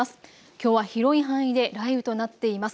きょうは広い範囲で雷雨となっています。